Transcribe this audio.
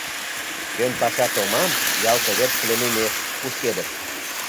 Кӧн паша томам, ялсовет пленумеш кушкедыт.